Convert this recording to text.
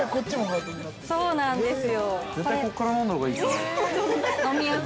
そうなんですよ。